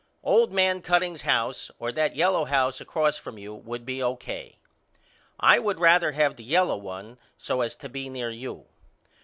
Old man Cutting's house or that yellow house across from you would be O.K. I would rather have the yellow one so as to be near you.